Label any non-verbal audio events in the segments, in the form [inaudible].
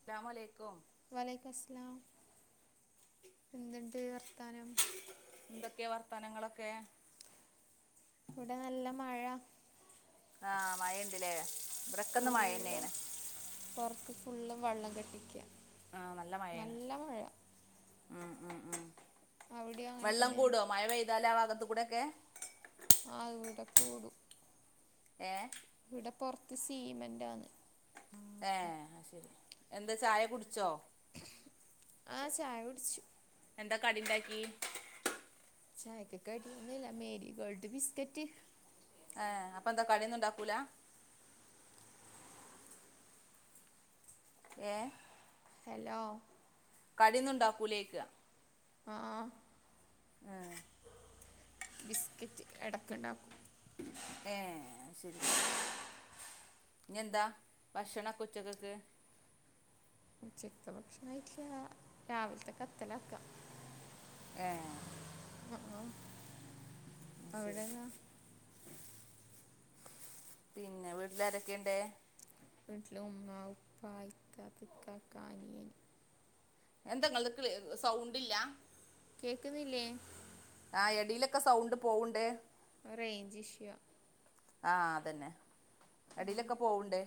അസ്സലാമുഅലൈക്കും വലൈക്കുമുസ്സലാം എന്ത്ണ്ട് വർത്താനം? എന്തൊക്കെയാ വർത്താനങ്ങളൊക്കെ? ഇവിടെ നല്ല മഴ ആഹ് മഴയ്ണ്ട് ല്ലേ ഫുള്ള് പൊറത്ത് ഫുള്ള് വെള്ളം കെട്ടിക്കാ ആഹ് നല്ല മഴയാണ് ഉം ഉം അവിടെ അങ്ങനെ വെള്ളം തന്നെയാണ് കൂടുവോ മഴ പെയ്താല് ആ വാഗത്തു കൂടെ ഒക്കെ ആഹ് ഇവിടെ കൂടും ഏഹ് ഇവിടെ പൊറത്ത് സീമെന്റാണ് ഏഹ് അത് ശരി എന്താ ചായ കുടിച്ചോ? ആഹ് ചായ കുടിച്ചു എന്താ കടിണ്ടാക്കി? ചായക്ക് കടി ഒന്നില്ലാ മേരി ഗോൾഡ് ബിസ്ക്കറ്റ് ആഹ് അപ്പൊ എന്താ കടിയൊന്നുണ്ടാക്കൂലാ ഏഹ് ഹലോ കടിയൊന്നുണ്ടാക്കൂലെ ചോയ്ക്കാ ആഹ് ആഹ് ആഹ് ബിസ്ക്കറ്റ് എടക്ക്ണ്ടാക്കും ഏഹ് അത് ശരി ഇനിയെന്താ ഭക്ഷണക്കെ ഉച്ചക്കക്ക്? ഉച്ചത്തെ ഭക്ഷണായിട്ടില്ലാ രാവിലത്തെ കത്തലാക്കാ ഏഹ് അത് [unintelligible] ശരി അവിടെന്നാ? പിന്നെ വീട്ടിലാരൊക്കെയുണ്ട്? വീട്ടില് ഉമ്മ ഉപ്പാ [unintelligible] ഇക്കാക്ക അനിയൻ എന്താ ഇങ്ങളത് ക്ലി സൗണ്ട്ല്ലാ കേക്ക്ന്നില്ലേ ആഹ് എടിലൊക്കെ സൗണ്ട് പോവണ്ട് അ റേഞ്ച് ഇഷ്യൂയാ ആഹ് അതന്നെ എടിലൊക്കെ പോവ്ണ്ട്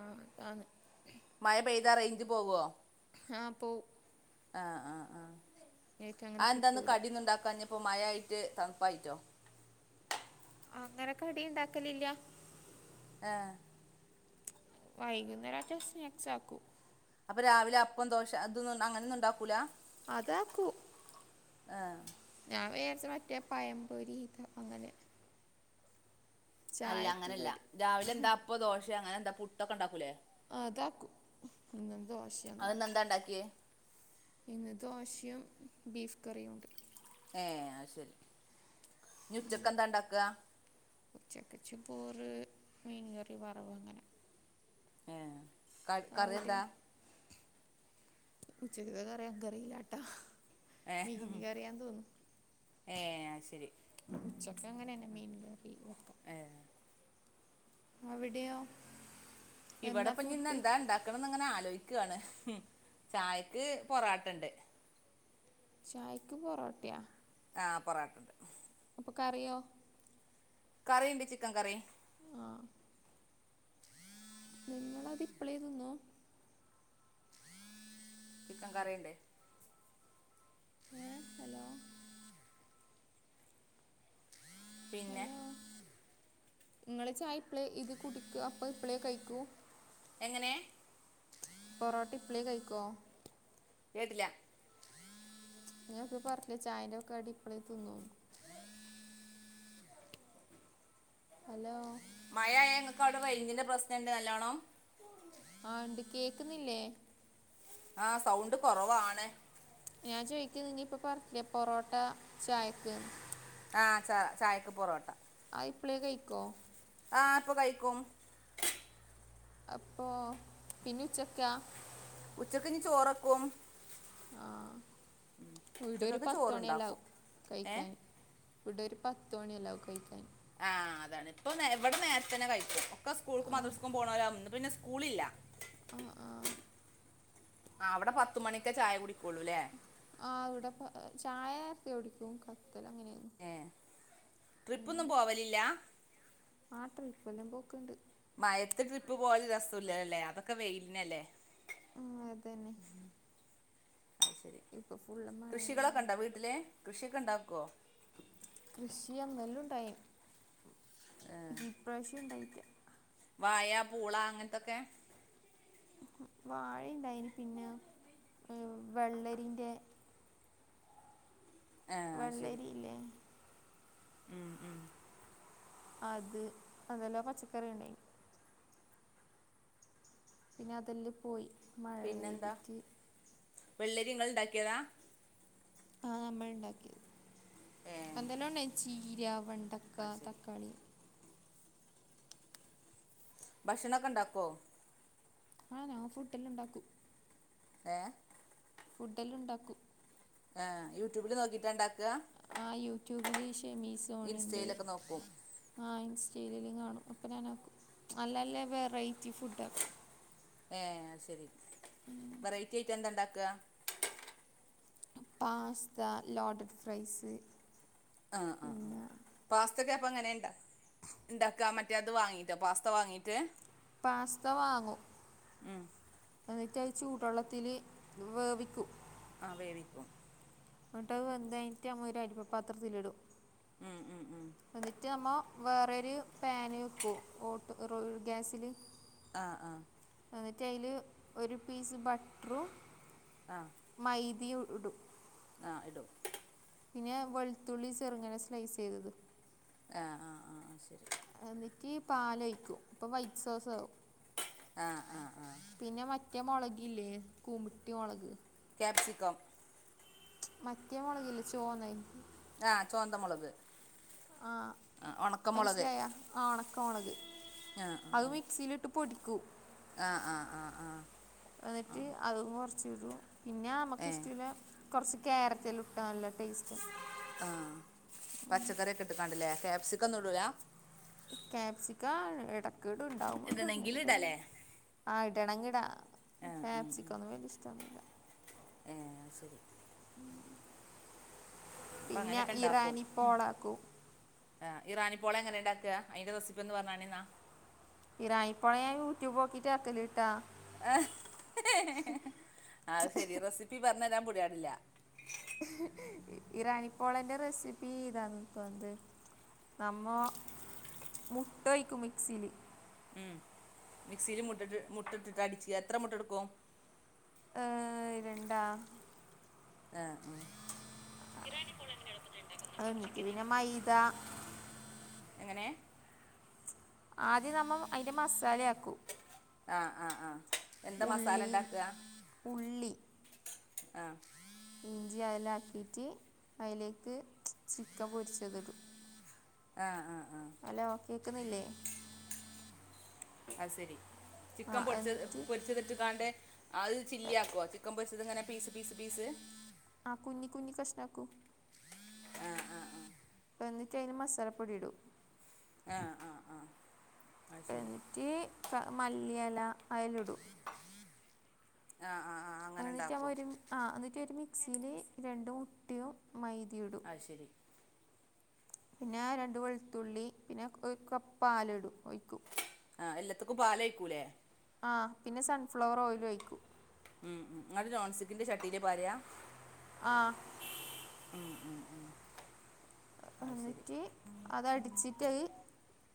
ആഹ് [unintelligible] മഴ പെയ്താ റേഞ്ച് പോവോ ആഹ് പോവും ആഹ് ആഹ് ആഹ് എനിക്ക് അങ്ങനെ ആന്താന്ന് കിട്ടൂല കടിയൊന്നുണ്ടാക്കാഞ്ഞപ്പോ മഴ ആയിറ്റ് തണുപ്പായിറ്റോ? അങ്ങനെ കടിണ്ടാക്കലില്ലാ ഏഹ് വൈകുന്നേരാച്ച സ്നാക്സ് ആക്കൂ അപ്പൊ രാവിലെ അപ്പം ദോശ അതൊന്നും അങ്ങനൊന്ന്ണ്ടാക്കൂല അതാക്കൂ ആഹ് ഞാൻവിചാരിച് മറ്റേ പയംപൊരി താ അങ്ങനെ അല്ല ചായക്ക് അങ്ങനെയല്ല കടി രാവിലെ എന്താ അപ്പ ദോശയ അങ്ങനെ എന്താ പുട്ടൊക്കെണ്ടാക്കൂലേ ആ അതാക്കു ഇന്നെന്ത ദോശ അത് ന്നന്താണ്ടാക്കിയേ ഇന്ന് ദോശയും ബീഫ് കറിയുമുണ്ട് ഏ അത് ശരി ഇനിഉച്ചക്ക്‌ എന്താ ഉണ്ടാക്കാ ച്ചക്ക്ചി പോറ് മീൻകറി വറവ് അങ്ങനെ ഏ ആവിടെയോ ഉച്ചകത്തെ കറി എനിക്കറീല ട്ട മീന് ഏഹ് കറിയാന്ന് തോന്നുന്നു അയ് ശരി ഉച്ചക്ക്‌ അങ്ങനെന്നെ മീൻ കറി വെക്കാ അവിടെയോ? എന്താ ഇവിടെപ്പം ഇന്ന് ഫുഡ് എന്താ ഉണ്ടാക്കണംന്ന് അങ്ങനെ ആലോചിക്കുവാണ് ചായക്ക് പൊറാട്ട ണ്ട് ചായക് പറോട്ടയാ ആ പൊറാട്ടണ്ട് അപ്പൊ കറിയോ കറിണ്ട് ചിക്കൻ കറി ആഹ് നിങ്ങളത് ഇപ്പോളേ തീന്നോ ചിക്കൻ കറിണ്ട് ഏ ഹലോ പിന്നെ ഹലോ നിങ്ങള് ചായ ഇപ്പളെ ഇത് കുടിക്ക അപ്പ ഇപ്പളേ കഴിക്കു എങ്ങനെ പൊറോട്ട ഇപളേ കഴിക്കോ കേട്ടില്ല ഞാൻ ഇപ്പ പറഞ്ഞില്ലേ ചായേന്റെ കടി ഇപ്പളേ തിന്നോന്ന് ഹലോ മഴ ആയ ങ്ങൾക്ക് അവിടെ റൈഞ്ചിന്റെ പ്രശ്നംണ്ട് നല്ലാണം ആ ഉണ്ട് കേക്കുന്നില്ലേ ആ സൗണ്ട് കുറവാണ് ഞാൻ ചോദിക്കുന്നു നിനിയിപ്പൊ പറത്തില്ല പൊറോട്ട ചായക്ക് ആ ച ചായക്ക് പൊറോട്ട ആ ഇപ്പോളേ കഴിക്കോ ആഹ് ഇപ്പൊ കഴിക്കും അപ്പോ പിന്നി ഉച്ചക്ക ഉച്ചക്ക്‌ ഇനി ചോറക്കും ആഹ് വീടെ ഒരു ഉച്ചക്കൊക്കെ ചോറുണ്ടാക്കും പത്ത്ണിയല്ലാവും ഏ കൈക്കാൻ ഇവിടൊരു പത്ത്മണി എല്ലാം ആവും കയിക്കാൻ ആഹ് അതാണ് ഇപ്പോ നേ വിടെ നേരത്തന്നെ കഴിക്കും ഒക്കെ സ്കൂൾക്കും ആ മദ്രസ്ക്കും പോണോരാ ഇന്ന് പിന്നെ സ് കൂളില്ല ആ ആ ആഹ്‌ അവടെ പത്ത് മണിക്കെ ചായ കുടിക്കൊള്ളൂലേ? ആഹ്‌ അവടെ പ്പൊ ചായ ത്തിടിക്കും കത്തല അങ്ങനെ ആണ്. ട്രിപ്പ ഒന്നും പോവലില്ലാ? ആഹ്‌ തൃപ്പേല്ലാം പോക്ക്ണ്ട്. മയത്ത് ട്രിപ്പ് പോവല് രസുല്ലലേ അതൊക്കെ വെയിൽനല്ലേ. ആ അതന്നെ. ശെരി, ഇപ്പം ഫുള്ള് മഴ കൃഷികളൊക്കെ തന്നെ ഉണ്ടോ വീട്ടില് കൃഷിയൊക്കെ ണ്ടാക്കുവോ? കൃഷിയ നെല്ലു ഉണ്ടായിന്, ഈപ്രാവശ്യം ഉണ്ടായിറ്റ്ല്ലാ. വായാ പൂള അങ്ങൻത്തൊക്കെ. വാഴണ്ടായ്നി പിന്നെ വെള്ളരിന്റെ ആഹ് ശരി. വെള്ളരിയില്ലേ ഉം ഉം. അത് അതെല്ലാം പച്ചക്കറി ണ്ടായിനി. പിന്നെ അതെല്ല് പോയി. മഴ പിന്നെന്താ പെയ്തിട്ട് വെള്ളരി ങ്ങള് ണ്ടാക്കിയതാ? ആഹ്‌ നമ്മള് ണ്ടാക്കിയത് ഏ യന്തല്ലോം ഉണ്ടയ് ചീര വണ്ടക്ക അത് ശരി തക്കാളി ഭക്ഷണക്കെ ണ്ടാക്കുവൊ? ആ ഞാം ഫുഡ് ‌ല്ലാണ്ടാക്കും. ഏഹ്‌? ഫുഡല്ലാണ്ടാക്കും. ആ യൂട്യൂബില്നോക്കീട്ടണ്ടാ ആഹ്‌ യൂട്യൂബില് ഈ ഷെമിസൊണിന്റെ ഇൻസ്റ്റയിലൊക്കെ നോക്കും ആ ഇൻസ്റ്റലല് കാണും അപ്പൊ ഞാനക്കും നല്ല ല്ല വെറൈറ്റി ഫുഡ് ആക്കും. ഏഹ്‌ സെരി, വെറൈറ്റ്യായിട്ട് എന്താ ണ്ടാക്ക്ആ? Pasta ലോടർ fries. ആ ആ ആ. പിന്നെ പാസ്തക്കെ പ്പൊ എങ്ങനേ ണ്ടാ ണ്ടാക്കാ മറ്റേ അത് വാങ്ങിയിട്ടോ പാസ്ത വാങ്ങിയിട്ട് പാസ്ത വാങ്ങും. ഉം ന്നിട്ട് അയ് ചൂടെള്ളത്തില് വേവിക്കും. ആ വേവിക്കും. ന്നിട്ടത് വെന്ത്ഴിഞ്ഞിട്ട് നമ്മ ഒരു അരിപ്പ പാത്രത്തിലിടും. ഉം ഉം ഉം. എന്നിട്ട് നമ്മ വേറൊരു പേന് ക്കും ഓട്ട് ഒറു ഗ്യാസില്. അ ആഹ്‌. എന്നിട്ട് അയില് ഒരു പീസ് ബട്ട്റും ആ. മൈദിയും ഇടും. ആഹ്‌ ഇടും. പിന്നെ വെൾത്തുള്ളി ചെറുങ്ങനെ സ്ലൈസ് യ്തത്. ആ ആ ആ ശരി. എന്നിട്ട് പാലൊയ്ക്കും അപ്പോ വൈറ്റ് സോസാവും. ആ ആ ആ. പിന്നെ മറ്റേ മൊളക് ല്ല്യേ കൂമ്പിട്ടി മൊളക്. ക്യാപ്സിക്കം. മറ്റേ മൊളക് ല്യാ ചോന്നഅ്. ആ ചോന്തമുളക്. ആ ആഹ് ഒണക്കമുളക് മെനസിലായ ആ ഉണക്ക മുളക് അത് മിക്സിയിലിട്ട് പൊടി ഹ് അ ആ ആ ആ എന്നിട്ട് അ അതും കുറച്ച ഇടും പിന്നെ നമക്ക് ഏഹ് ഇഷ്ടഉള്ള കുറച്ച് ക്യാരറ്റല്ലാം ഇട്ട നല്ല ടേസ്റ്റാ ആ പച്ചക്കറിയൊക്കെട്ടക്കാണ്ടില്ലേ ക്യാപ്സികൊന്നുടുലാ? ക്യാപ്സിക്ക ഇടക്കിടും ഇണ്ടാവുമ്പോ ഇണ്ടാവുമ്പോ ഇടണെങ്കില് ഇടും. ഇടാല്ലേ ആ ഇടണങ്കിഇടാ ആഹ് ക്യാപ്സിക്കം ഒന്നും വലിയ ഇഷ്ടമൊന്നുമില്ല. ഏ ശരി. അപ്പ പിന്നെ അങ്ങനെയൊക്കെ ഇണ്ടാക്കും ഇറാനിപ്പോളാക്കും. ആ ഇറാനി പോളെങ്ങനെണ്ടാക്കാ? അയിന്റെറെസിപ്പി എന്ന് പറഞ്ഞാണിന്നാ. ഇറാനിപോള യൂട്യൂബുകിട്ടാക്കല്ട്ടാ അഹ്ഹ് ഹെ ആ ശെരി റെസിപ്പി പറഞ്ഞു തരാൻ പൊടിയാടില്ല. ഇഹ്ഹാഹ് ഇറാനിപ്പോളന്റെ റെസിപ്പി ഇറാനിപ്പോളാ നമ്മെ മുട്ടഴിക്കും മിക്സില് മം മിക്സില് മുട്ടട്ട് മുട്ട ഇട്ടിട്ട് അടച്ച് എത്ര മുട്ടടുക്കും. ഏഹ രണ്ടാ ആഹ് ഉ അ എനിക്ക് പിന്നെ മൈദ എങ്ങനെ? ആദ്യം നമ്മൾ അതിന്റെ മസാലയാക്കും ആഹ് ആഹ് ആഹ എന്താ മസാല ഉള്ളി ഉണ്ടാക്കുക? ഉള്ളി ആഹ് ഇഞ്ചി അതിലാക്കിയിട്ട് അതിലേക്ക് ചിക്കൻ പൊരിച്ചത്ഇടും ആ ആ ഹോ കേൾക്കുന്നില്ലേ? അ ശരി ആ ചിക്കൻ എന്നിട്ട് പൊരിച്ചത് ഇട്ടു എ- ചില്ലിയാക്കുക ഇത് ഇങ്ങനെ പീസ് പീസ് പീസ് ആഹ് കുഞ്ഞി കുഞ്ഞി കഷ്ണം ആക്കും ആ നിട്ട് അതിൽ മസാല പൊടി ഇടും ആ അത് ശരി എന്നിട്ട് മല്ലിഎല അയിലിടും ആഹ ആഹ് ആഹ് അങ്ങനെ എന്നിട്ട് നമ്മൾ ഉണ്ടാക്കും ഒരു ആ എന്നിട്ട് മിക്സിയിൽ രണ്ടു മുട്ടയും മൈദയും അത് ശരി പിന്നെ രണ്ട വെളുത്തുള്ളി പിന്നെ ഒരു കപ്പ് പാല് ഒഴിക്കും ആ എല്ലാത്തിക്കും പാലൊഴിക്കൂല്ലേ? ആ പിന്നെ സൺഫ്ലവർ ഓയിൽ ഒഴിക്കും ഉം ഉം അത് നോൺസ്റ്റിക്കിന്റെ ചട്ടിയിലാ പാരാ? ആഹ് ഉം, ഉം, ഉം. അത് ശരി എന്നിട്ട് അതടിച്ചിട്ട്ത്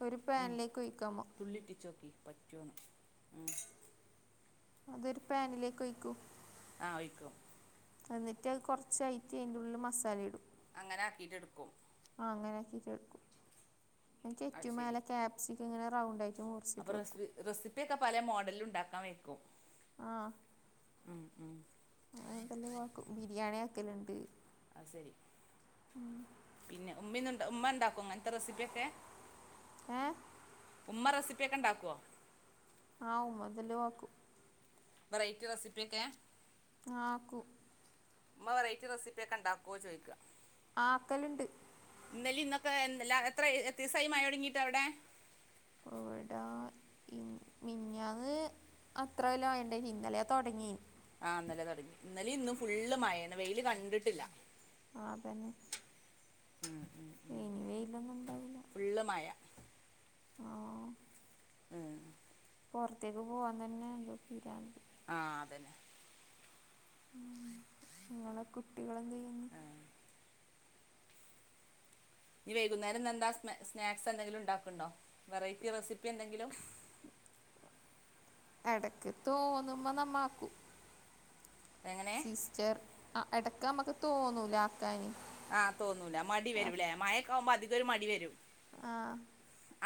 ഒരു പാനിലേക്ക് ഒഴക്കമോൾ ചിറ്റടിിച്ചോക്കി പ [unintelligible] അതൊരു പാനിലേക്ക് വയ്ക്കൂ ആഹ് വിയ്ക്കും എന്നിട്ട് അത് കുറച്ചായിട്ട് അതിന്റെ ഉള്ളില് മസാല ഇടും അങ്ങനെ ആക്കിയിട്ടെടുക്കും ആഹ അങ്ങനെ ആക്കിട്ട എടുക്കും എനിറ്റ അത് മേലെ കാപ്സിക് ഇങ്ങനെ റൗണ്ട് ആയിട്ട് മുറിക്കും അപ്പൊ റെസിപ്പിയൊക്കെ പല മോഡലിലും ഉണ്ടാക്കാൻ പറ്റും ആഹ് ഉം ഉം അങ്ങനെ എന്തെല്ല ബിരിയാണി ആക്കലുണ്ട് അഹ് ശരി പിന്നെ ഉമ്മാണ്ടാക്കോ ഇങ്ങനത്തെ റെസിപ്പിയൊക്ക ഏഹ് ഉമ്മ റെസിപ്പിയൊക്കെ ഉണ്ടാക്കുമോ ആഹ് ഉമ്മതലേ വെക്കു വെറൈറ്റി റെസിപ്പിയൊക്കെ ആഹ് ആക്കും ഉമ്മ വെറൈറ്റി റെസിപിയൊക്കെ ഉണ്ടാക്കോ ചോദിക്കുക ആക്കല്ലുണ്ട് ഇന്നലെയും ഇന്നുമൊക്കെ എത്ര ദിവസായി മഴ തുടങ്ങിയിട്ട് അവിടെ എവിടാ മിനിഞ്ഞാന്ന് അത്രേയൊള്ളൂ ഇന്നലെ തുടങ്ങി ആഹ് ഇന്നലെയും ഇന്നും ഫുൾ മഴയാണ് വെയിൽ കണ്ടിട്ടില്ല ആഹ് അതെല്ലേ ഉം ഉം ഇനി വെയിലൊന്നും ഉണ്ടാവില്ല ഫുള്ള് മഴ ആ മ്മ് പുറത്തേക്ക് പോകാൻ തന്നെ എന്തോ പിരാന്ത് ആഹ് അതന്നെ ഉം ഇങ്ങളെ കുട്ടികള് എന്ത് ചെയ്യ് ഇനി വൈകുന്നേരം എന്താ സ് സ്നാക്സ് എന്തെങ്കിലും ഉണ്ടാക്കണ്ടോ വെറൈറ്റി റെസിപ്പി എന്തെങ്കിലും എടക്ക് തോന്നുമം നമ്മാക്കും എങ്ങനെ സിസ്റ്റർ ആഹ് എടക്ക് നമ്മക്ക് തോന്നൂലെ ആക്കാന് ആഹ് തോന്നൂല മടി വരുംല്ലേ മഴക്കാവുമ്പോ അധികം ഒരു മടി വരും ആഹ്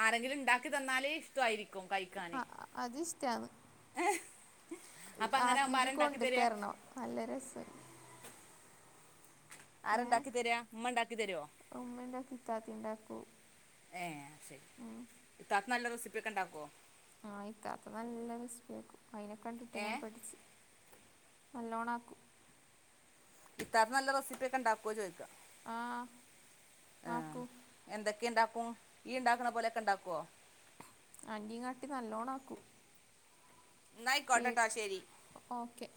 ആരെങ്കിലും ഇണ്ടാക്കി തന്നാല് ഇഷ്ടായിരിക്കും കഴി ആഹ് അത് ഇഷ്ടാന്ന് അപ്പൊ അങ്ങനെ ആകുമ്പോ ആക്കീട്ട് ആരാ ഉണ്ടാക്കി കൊണ്ടു തരിക തരണം നല്ല രസ് ഏ ആരാ ഇണ്ടാക്കി തെര്യ ഉമ്മ ഇണ്ടാക്കി തരോ ഉമ്മ ഇണ്ടാക്കി ഇത്താത്തിം ഇണ്ടാക്കും ഏഹ് ശരി ഇത്താത്ത നല്ല റെസിപ്പിയൊക്കെ ഇണ്ടാക്കോ ആഹ് ഇത്താത്ത നല്ല റെസിപ്പി ആക്കും അയിനെ കണ്ടിട്ടാ ഞാൻ ഏഹ് പഠിച്ച് നല്ലോണം ആക്കും ഇത്താത്ത നല്ല റെസിപ്പിയൊക്കെ ഇണ്ടാക്കോ ചോയിക്കാ ആഹ് ആഹ് എന്തൊക്കെ ഇണ്ടാക്കും യ്യ് ഇണ്ടാക്കണ പോലെയൊക്കെ ഇണ്ടാക്കോ ആൻടീം കാട്ടി നല്ലോണം ആക്കും ന്നായ്ക്കോട്ടട്ടോ ശരി ഒ ഓക്കെ